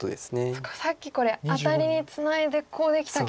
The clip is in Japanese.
そっかさっきこれアタリにツナいでこうできたけど。